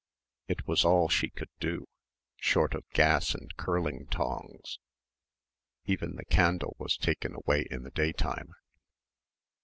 It was all she could do short of gas and curling tongs. Even the candle was taken away in the day time.